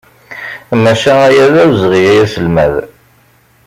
Maca aya d awezɣi a aselmad.